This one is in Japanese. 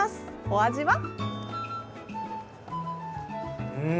お味は？